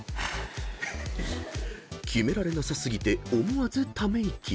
［キメられなさ過ぎて思わずため息］